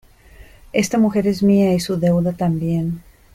esta mujer es mía, y su deuda también.